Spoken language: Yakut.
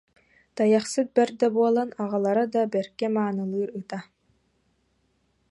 Та- йахсыт бэрдэ буолан аҕалара да бэркэ маанылыыр ыта